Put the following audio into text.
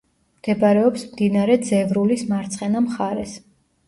მდებარეობს მდინარე ძევრულის მარცხენა მხარეს.